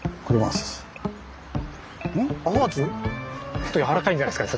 ちょっとやわらかいんじゃないですかね